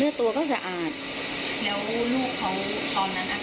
แล้วก็ช่วยกันนำนายธีรวรรษส่งโรงพยาบาล